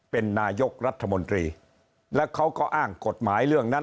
เป็นนายกรัฐมนตรีและเขาก็อ้างกฎหมายเรื่องนั้น